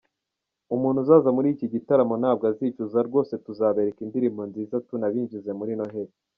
Umuntu uzaza muri iki gitaramo ntabwo azicuza rwose tuzabereka indirimbo nziza tunabinjize muri Noheli.